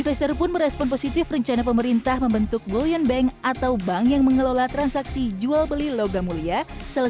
menurut peneliti ekonomi indef bima yudhistira rencana pemerintah membentuk bv atau bank yang mengelola transaksi jual beli logam mulia salah satunya emas di tanah air